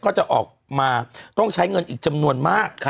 ก็จะออกมาต้องใช้เงินอีกจำนวนมาก